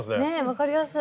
分かりやすい！